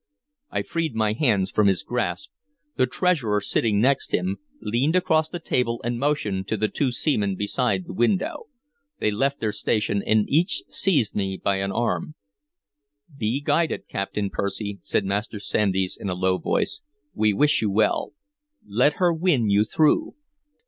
I freed my hands from his grasp. The Treasurer, sitting next him, leaned across the table and motioned to the two seamen beside the window. They left their station, and each seized me by an arm. "Be guided, Captain Percy," said Master Sandys in a low voice. "We wish you well. Let her win you through."